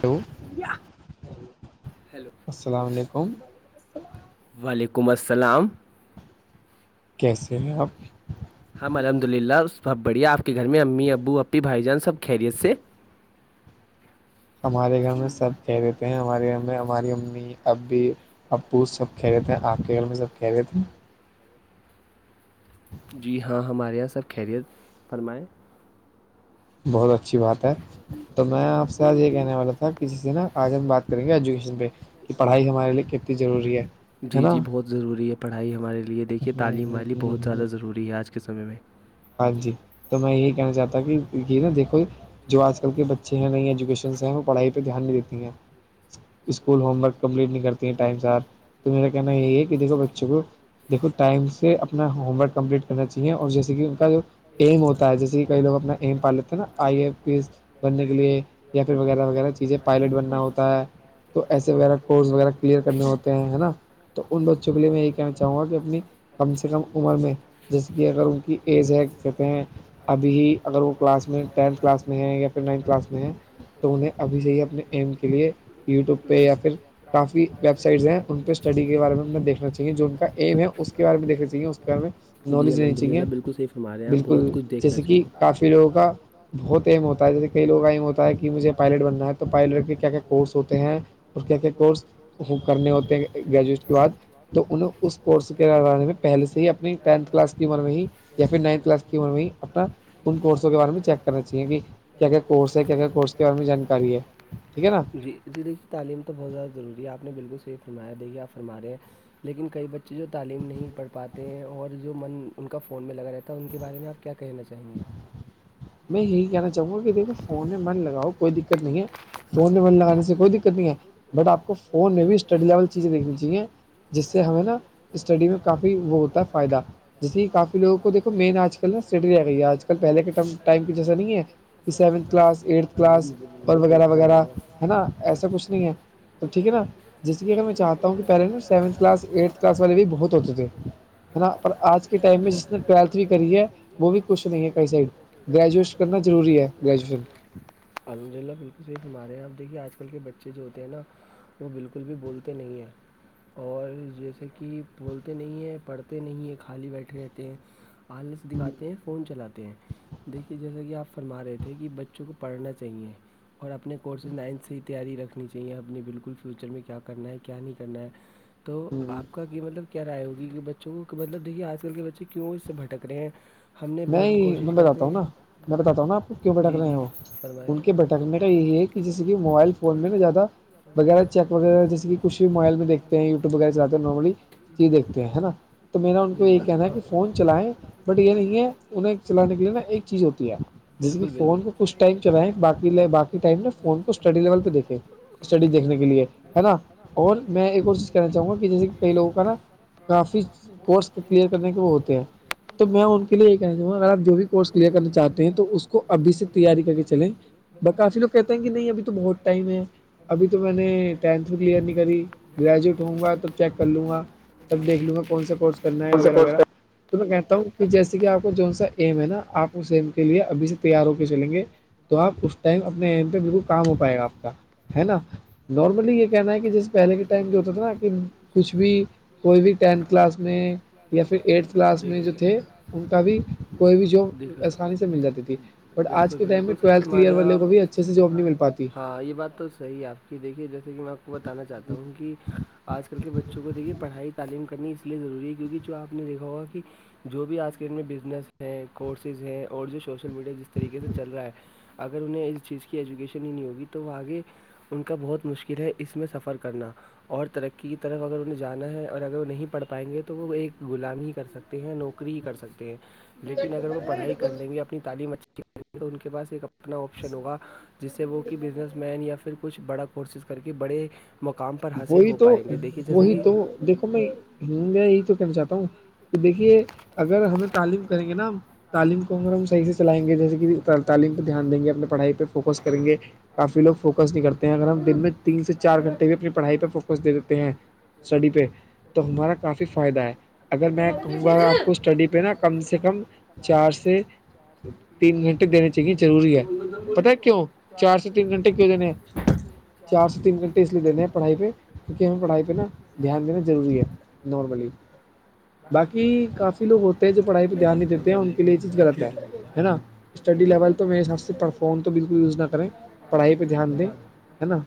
hello hello السلام علیکم وعلیکم السلام کیسے ہیں آپ ہم الحمد للہ بہت بڑھیا آپ کے گھر میں امی ابو ا اپی بھائی جان سب خیریت سے ہمارے گھر میں سب کہہ دیتے ہیں ہمارے گھر میں ہماری امی اب بھی ابپو سب کہہ رہے تھے آن کے گھر میں سب کہہ رہے تھے جی ہاں ہمارے یہاں سب خیریت فرمائیں بہت اچھی بات ہے تو میں آپ سے آج یہ کہنے والا تھا کسی سے نا آج ہم بات کریں گے ایجوکیشن پہ کہ پڑھائی ہمارے لیے کتنی ضروری ہے ہے جی نا جی بہت ضروری ہے پڑھائی ہمارے لیے دیکھیے تعلیم والی بہت زیادہ ضروری ہے آج کے سمے میں ہاں جی تو میں یہی کہنا چاہتا کہ یہ نہا دیکو جو آج کل کے بچے ہیں نئی ایجوکیشنس ہیں وہ پڑھائی پہ دھیان نہیں دیتی ہیں اسکول ہوم ورک کمپلیٹ نہیں کرتی ہیں ٹائم ساتھ تو میرا کہنا یہی ہے کہ دیکھو بچوں کو دیکھو ٹائم سے اپنا ہوم ورک کمپلیٹ کرنا چاہیے اور جیسے کہ جو ایم ہوتا ہے جیسے کہ کئی لوگ اپنا ایم پال لیتے ہیں نا آئی ای پی ایس بننے کے لیے یا پھر وغیرہ وغیرہ چیزیں پائلٹ بننا ہوتا ہے تو ایسے وغیرہ کورس وغیرہ کلیئر کرنے ہوتے ہیں نا تو ان بچوں کے لیے میں یہی کہنا چاہوں گا کہ اپنی کم سے کم عمر میں جیسے کہ اگر ان کی ایز ہے کہتے ہیں ابھی ہی اگر وہ کلاس میں ٹینھ کلاس میں ہے یا پھر نائنھ کلاس میں ہے تو انہیں ابھی سے ہی اپنے ایم کے لیے یوٹیوب پہ یا پھر کافی ویب سائٹس ہیں ان پہ اسٹڈی کے بارے میں دیکنا چاہیے جو ان کا ایم ہے اس کے بارے میں دیکھنا چاہیے اس کے بارے میں جی نالج لینی الحمد للہ چاہیے بالکل صحیح فرما رہے ہیں آپ بالکل بہت کچھ دیکھنا جیسے کہ چاہیے کافی لوگوں کا بہت ام ہوتا ہے جیسے کئی لووں کا ایم ہوتا ہے کہ مجھے پائلٹ بننا ہے تو پائلٹ کے کیا کیا کورس ہوتے ہیں اور کیا کیا کورس کرنے ہوتے ہیں گریجویٹ کے بعد تو انہیں اس کورس کےے میں پہلے سے ہی اپنی ٹینتھ کلاس کی عمر میں ہی یا پھر نائنتھ کلاس کی عمر میں ہی اپنا ان کورسوں کے بارے میں چیک کرنا چاہیے کہ کیا کیا کورس ہے کیا کیا کورس کے بارے میں جانکاری ہے ٹھیک ہے نا لے کی تعلیم تو بہت زیادہ ضوری ہے آپ نے بالکل صحی فرمایا دیکھی آپ فرماے ہیں لیکن کئی بچے جو تعلیم نہیں پڑھ پاتے ہیں اور جو من ان کا فون میں لگا رہتا ہے ان کے بارے میں آپ کیا کہیننا چاہیے میں یہی کہنا چاہوں گا کہ دیکھو فون ہے من لگاؤ کوئی دقت نہیں ہے فون میں منے لگانے سے کوئی دقت نہیں ہے بٹ آپ کو فون میں بھی اسٹڈی لیول چیزیں دیکھنی چاہیے جس سے ہمیں نا اسٹڈی میں کافی وہ ہوتا ہے فائدہ جیسے کہ کافیوگوں کو دیکھو مین آج کل نا اسٹڈی رہ گئی ہے آج کل پہلے کے ٹائم کی جیسا نہیں ہے سیونتھ کلاس ایٹتھ کلاس اور وغیرہ وغیرہ ہے نا ایسا کچھ نہیں ہے توب ٹھیک ہے نا جس کی اگر میں چاہتا ہوں کہ پہلے نا سیونتھ کلاس ایٹتھ کلاس والے بھی بہت ہوتے تھے ہے نا پر آج کے ٹائم میں جس نے ٹویلتھ بھی کری ہے وہ بھی کچھ نہیں ہے کئی سائڈ گریجویشن کرنا ضروری ہے گریجویشن انجل بالکل صی گمارے ہیں آپ دیکھیے آج کل کے بچے جو ہوتے ہیں نا وہ بالکل بھی بولتے نہیں ہیں اور جیسے کہ بولتے نہیں ہیں پڑھتے نہیں ہیں خالی بیٹھے رہتے ہیں پارلرس دکھاتے ہیں فون چلاتے ہیں دیکھیے جیسا کہ آپ فرما رہے تھے کہ بچوں کو پڑھنا چاہیے اور اپنے کورسز نائنتھ سے تیاری رکھنی چاہیے اپنی بالکل فیوچر میں کیا کرنا ہے کیا نہیں کرنا ہے تو آپ کا کہ مطلب کیا رائے ہوگی کہ ب بچوں مطلب دیکھیے آج کل کے بچے کیوں اس سے بھٹک رہے ہیں ہم نے بڑ نہیں کوشش میں کرتے بتاتا ہوں نا ہیں میں بتاتا ہوں نا آپ کو کیوں بھٹک جی رہے جی ہو فرمائیں ان کے بھٹکنے کا یہی ایک جیسے کہ موبائل فون میں نا زیادہ وغیرہ چیک وغیرہ جیسے کچھ موبائل میں دیکتے ہیں یوٹیوب وغیرہ جاتے نارملی یہی دیکھتے ہیں ہے نا تو میرا ان کو جی یہی جی کہنا ہے کہ فون چلائیں بٹ یہ نہیں ہے انہیں چلانے کے لیے نا ایک چیز ہوتی ہے جیسے کہ بالکل بالکل فون کو کچھ ٹائم چلائایاقی ٹائم ن فون کو اسٹڈی لیول پہ دیکھیں اسٹڈی دیکھنے کے لیے ہے نا اور میں ایک اورز کہنا چاہوں گا کہ جیسے کئی لوگوں کا نا کافی کورس کلیئر کرنے کے وہ ہوتے ہیں تو میں ان کے لیے اگر آپ جو بھی کورس کلیئر کرنا چاہتے ہیں تو اس کو ابھی سے تیاری کر کے چلیں ب کافی لوگ کہتے ہیں کہ نہیں اب تو بہت ٹائم ہے ابھی تو میں نے ٹینھ میں کلیئر نہیں کری گریجویٹ ہوں گا تو چیک کر لوں گا تب دیکھ لوں گا کون سا کورس کرنا ہے اور سب وغیرہ وغیرہ تو میں کہتا ہوں کہ جیسے کہ آپ جو سا ایم ہے نا آپ اس ایم کے لیے ابھی سے تیار ہو کے چلیں گے تو آپ اس ٹائم اپنےڈ پہ بالکل کام ہو پائے گا آپ کا ہے نا نارملی یہ کہنا ہے کہ جیسے پہلے کے بالکل ٹائم جو ہوتا بالکل تھا نا کہ کچھ بھی کوئی بھی ٹینتھ کلاس میں یا پھر ایٹھ کلاس میں جو دیکھیے تھے ان کا بھی کوئی بھی جاب دیکھیے آسانی سے مل جاتی تھی بٹ آج بالکل کے ٹائم میں بالکل صحیح ٹویلتھ ہمارے کلیئر یہاں والے کو آپ بھی اچھے سے جاب نہیں مل پاتی ہاں یہ بات تو صحیح ہے آپ کہ دیکھیے جیسے کہ میں آپ کو بتانا چاہتا ہوں کہ آج کل کے بچوں کو دیکھیے پڑھائی تعلیم کرنی اس لیے ضروری ہے کیونکہ جو آپ نے دیکھا ہوگا کہ جو بھی آج کے دن میں بزنس ہے کورسز ہیں اور جو سوشل میڈیا جس طریقے سے چل رہا ہے اگر انہیں اس چیز کی ایجوکیشن ہی نہیں ہوگی تو وہ آگے ان کا بہت مشکل ہے اس میں سفر کرنا اور ترقی کی طرف اگر انہیں جانا ہے اور اگر وہ نہیں پڑھ پائیں گے تو وہ ایک غلام ہی کر سکتے ستے ہیں نوکری ہی کر سکتے ہیں اگر وہ پڑھائی کر لیں گے اپنی تعلیم اچھی کر تو ان کے پاس ایک اپنا آپشن ہوگا جس سے وہ کہ بزنس مین یا پھر کچھ بڑا کو کورسز کر کے بڑے مقام پر حاصل وہی ہو تو پائیں گے دیکھیے جیسے وہی کہ تو دیکھو میں ہوں میں یہی تو کہنا چاہتا ہوں کہ دیکھیے اگر ہمیں تعلیم کریں گے نا تعلیم کو اگر ہم صحیح سے چلائیں گے جیسے کہ تعلیم پہ دھیان دیں گے اپنے پڑھائی پہ فوکس کریں گے کافی لوگ فوکس نہیں کرتے اگر ہم دن میں تین سے چار گھنٹے پڑھائی پہ فوکس دے دیتے ہیں اسٹڈی پہ تو ہمارا کافی فائدہ ہے اگر میں کہوں گا آپ کو اسٹڈی پہ نا کم سے کم چار سے تین گھنٹے دینے چاہیے روری ہے پتا ہے کیوں چار سے تین گھنٹے کیوں دینے ہیں چار سے تین گھنٹے اس لیے دینے ہیں پڑھائی پہ کیکہ ہمیں پڑھائی پہ نا دھیان دینا ضروری ہے نارملی باقی کافی لوگ ہوتے ہیں جو پڑھائی پہ دھیان نہیں دیتے ہیں ان کے لیے یہ چیز غلط ہے نا اسٹڈی لیول تو میرے حساب سے فون تو بالکل یوز نہ کریں پڑھائی پہ دھیان دیں ہے نا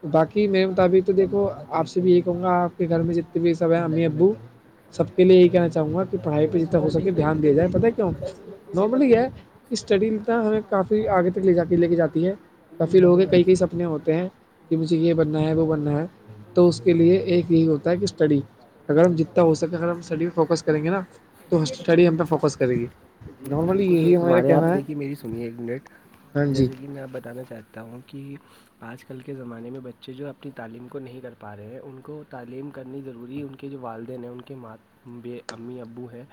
تو باقی میرے مطابق تو دیکھو آپ سے بھی یہ کہوں گا آپ کے گھر میں جتنے بھی سب ا ابو سب کے لیے یہی کہنا چاہوں گا پڑھائی پہ جتنا ہو سکے دھیان دیا جائے پتا کیوں نارملی ہے کہ اسٹڈی ہمیں کافی آگے تک لے جا کے لے کے جاتی ہے کافی لوگوں کے کئی کئی سپنے ہوتے ہیں کہ مجھے یہ بننا ہے وہ بننا ہے تو اس کے لیے ایک یہی ہوتا ہے کہ اسٹڈی اگر ہم جتنا ہو سکے اگر ہم اسٹڈی پہ فوکس کریں گے نا تو اسٹڈی ہم پہ فوکس کرے گی جی جی نارملی بالکل یہی صیف ہمارا ہمارے ہیں آپ کہنا ہے دیکھیے میری سنیے ایک منٹ ہاں جی جیسے کہ میں آپ بتانا چاہتی ہوں تون کہہ آج کل کے زمانے میں بچے جو اپنی تعلیم کو نہیں کر پا رہے ہیں ان کو تعلیم کرنی ضروری ہے جو والدین ہیں ان کے امی ابو ہیں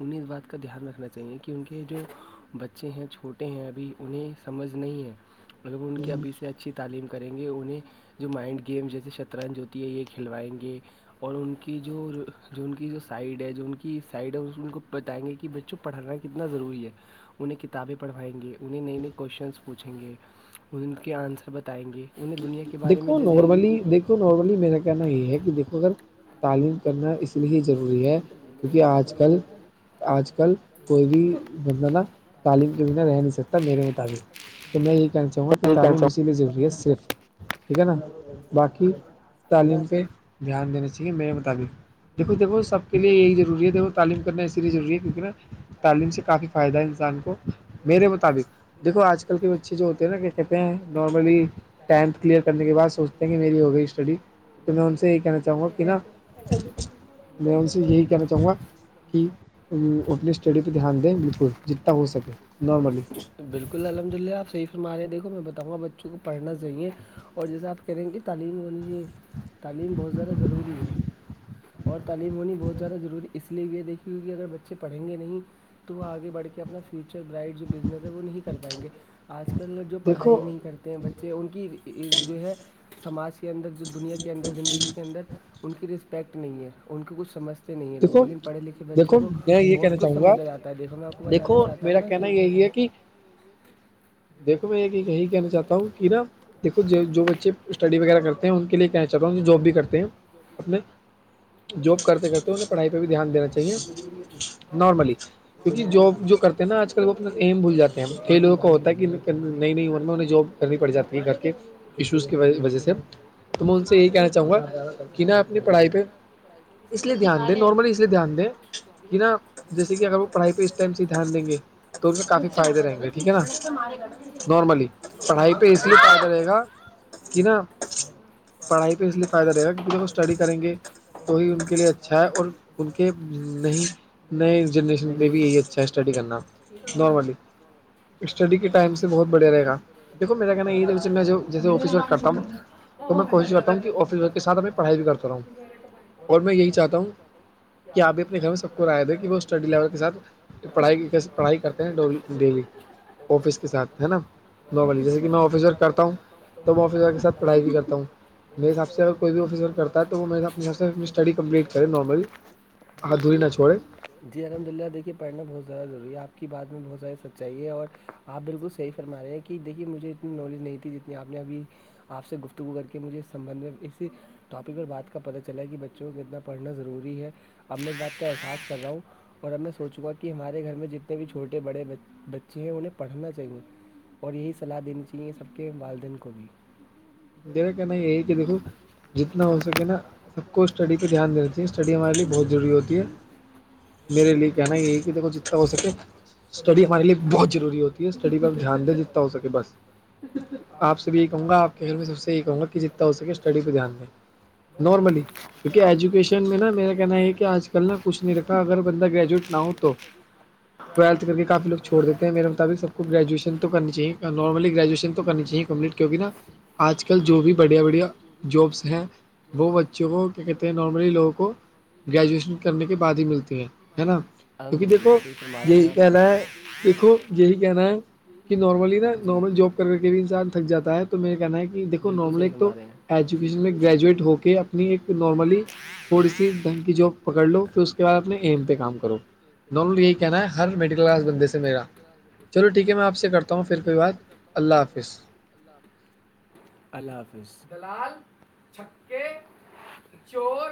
انہیں اس بات کا دھیان رکھنا چاہیے کہ کہ ان کے جو بچے ہیں چھوٹے ہیں ابھی انہیں سمجھ نہیں ہے مطلب ان کے ابھی سے اچھی تعلیم کریں گے انہیں جو مائنڈ گیم جیسے شطرنج ہوتی ہے یہ کھلوائیں گے اور ان کی جو جو ان کی جو سائڈ ہے جو ان کی سائڈ ہے ان کو بتائیں گے کہ بچوں پڑھ کتنا ضروری ہے انہیں کتابیں پڑھائیں گے انہیں نئے نئے کوشچنس پوچھیں گے ان کے آنسر بتائیں گے انہیں دنیا کے بارے میں دیکھو جیسے نارملی دیکھ نارملی میرا کہنا یہ ہے کہ دیکھو اگر تعلیم کرنا اس لیے ضروری ہے کیونکہ آج کل آج کل کوئی بھی بندہ نا تعلیم کے بنا رہ نہیں سکتا میرے مطابق تو میں یہی کہنا چاہوں گا کہ تعلیم اسی لیے ضروری ہے صرف ٹھیک ہے نا باقی تعلیم پہ دھیان دینا چاہیے میرے مطابق دیکو دیکھو سب کے لیے یہی ضروری ہے دیکو تعلیم کرنا اسی لیے ضروری ہے کیونکہ نا تعلیم سے کافی فائدہ ہے انسان کو میرے مطابق دیکھو آج کل کے بچے جو ہوتے ہیں نا کہ کہتے ہیں نارملی ٹایم کلیئر کرنے کے بعد سوچتے ہیں کہ میری ہو گئی اسٹڈی تو میں ان سے یہی کہنا چاہوں گا کہ نا میں ان سے یہی کہنا چاہوں گا کہ اپنی اسٹڈی پہ دھیان دیں بالکل جتنا ہو سکے نارملی بالکل الحمد للہ آپ صحیح فرما رہے ہیں دیکھو میں بتاؤںا بچوں کو پڑھنا چاہیے اور جیسا آپ کہہ رہے ہے کہ تعلیم تعلیم بہت زیادہ ضروری ہے اور تعلیم ہونی بہت زیادہ ضروری اس اس لیے یہ دیکھیے ہو کہ اگر بچے پڑھیں گے نہیں تو وہ آگے بڑھ کے اپنا فیوچر برایٹ نظر وہ نہیں کر پائیں گے آج کل جو دیکھو پڑھائی نہیں کرتے ہیں بچے سے ان کی جو ہے سماج کے اندر جو دنیا کے اندر زندگی کے اندر ان کی رسپیکٹ نہیں ہے ان کو کچھ سمجھ تے نہیں ہے لوگ دیکھو لیکن پڑھے لکھے بچوں دیکھو کو میں یہ بہت کہنا کچھ چاہوں گا سمجھا جاتا ہے دیکھو میں آپ کو بتانا دیکھو چاہتا ہوں میرا نا کہنا کہ یہی ہے کہ دیکھو میں ایک یہی کہنا چاہتا ہوں کہ نا دیکھو جو بچے اسٹڈی وغیرہ کرتے ہیں ان کے لیے کہنا چاہتا ہوں کہ جاب بھی کرتے ہیں اپنے جاب کرتے کرتے انہیں پڑھائی پہ بھی دھیان دینا چاہیے نارملی کیونکہ جاب جو کرتے ہیں نا آج کل وہ اپنا ایم بھول جاتے ہیں کییں لوگوں کا ہوتا ہے کہ نئی نئی عمر میں انہیں جاب کرنی پڑ جاتی ہے گھر کے ایشوز کی وجہ سے تو میں ان سے یہی کہنا چاہوں گا کہ نا اپنی پڑھائی پہ اس لیے دھیان دیں نارملی اس لیے دھیان دیں کہ نا جیسے کہ اگر وہ پڑھائی پہ اس ٹائم سے دھیان دیں گے تو پھر کافی فائدے رہیں گے ٹھیک ہے نا نارملی پڑھائی پہ اس لیے پا کرے گا کہ نا پڑھائی کو اس لیے فائدہ رہے گا کیونکہ جب وہ اسٹڈی کریں گے وہی ان کے لیے اچھا ہے اور ان کے نہیں نئے جنریشن پہ بھی یہی اچھا ہے اسٹڈی کرنا نارملی [inaudible] اسٹڈی کے ٹائم سے بہت بڑھیا رہے گ دیکھو میرا کہنا یہ تھا میں جیسے آفس ورک کرتا ہوں تو میں کوشش کرتا ہوں کہ آفس ورک کے ساتھ میں پڑھائی بھی کرتا رہا ہوں اور میں یہی چاہتا ہوں کیا آپ بھی اپنے گھر میں سب کو رائے دے کہ وہ اسٹڈی لیول کے ساتھ پڑھائی کی پڑھائی کرتے ہیں ڈیلی آفس کے ساتھ ہے نا نارملی جیسے کہ میں آفس ورک کرتا ہوں تو میں آفس ورک کے ساتھ پڑھائی بھی کرتا ہوں میرے حساب سے اگر کوئی بھی آفس ورک کرتا ہے تو وہ اسٹڈی کمپلیٹ کرے نارملی ادھوری نہ چھوڑے جی الحمد للہ دیکے پڑھنا بہت زیاہ ضروری آپ کی بات میں بہت ساری چاہیے اور آپ بالکل صحیح فرما رہے ہیں کہ دیکھیے مجھے اتنی نالج نہیں تھی جتنی آپ نے ابھی آپ سے گفتگو کر کے مجھے اس سمبندھ میں اسی ٹاپک پر بات کا پتا چلا کہ بچوں کو کتنا پڑھنا ضروری ہے اب میں اس بات کا احساس کر رہا ہوں اور اب میں سوچوں گا کہ ہمارے گھر میں جتنے بھی چھوٹے بڑے بچے بچے ہیں انہیں پڑھنا چاہیے اور یہی صلاح دینی چاہیے سب کے والدین کو بھی دیرا کہنا یہی کہ دیکھو جتنا ہو سکے نا سب کو اسٹڈی پہ دھیان دے ج اسٹڈی ہمارے لیے بہت ضروری ہوتی ہے میرے لیے کہنا یہ ہے کہ دیکھو جتنا ہو سکے اسٹڈی ہمارے لیے بہت ضوری ہوتی ہے اسٹڈی پ دھیان دیں جتنا ہو سکے بس اس کاس آپ سے بھی یہ کہوں گا آپ کے گھر میں سب سے یہ کہوں گا کہ جتنا ہو سکے اسٹڈی کو دھیان میں نارملی کیونکہ ایجوکیشن میں نا میرا کہنا یہ ہے کہ آج کل نا کچھ نہیں رکھا اگر بندہ گریجویٹ نہ ہو تو ٹویلت کر کے کافیوگ چھوڑ دیتے ہیں میرے مطابق سب کو گریجویشن تو کرنی چاہیے نارملی گریجویشن تو کرنی چاہیے کمپلیٹ کیونکہ نا آج کل جو بھی بڑھیا بڑھیا جابس ہیں وہ بچوں کو کیا کہتے ہیں نارملی لوگوں کو گریجویشن کرنے کے بعد ہی ملتی ہیں ہے نا الحمد کیونکہ للہ دیکھو صحیح فرما رہے یہیی ہیں کہ ل آپ ہے دیکھو یہی کہنا ہے کہ نارملی نا جی نارمل جاب کر کے بھی انسان تھک جا ہے تو میرا کہنا ہے کہ دیکو بالکل نارملی صحیح ایک تو فرما رہے ہیں ایجوکیشن میں گریجویٹ ہو کے اپنی ایک نارملی تھوڑی سی دھمکی جاب پکڑ لو پھر اس کے بعد اپنے ایم پہ کام کرو نل یہی کہنا ہے ہر میڈل کلاس بندے سے میرا چلو ٹھیک ہے میں آپ سے کرتا ہوں پھر کوئی بات اللہ حافظ اللہ حافظ دلال چھکے چور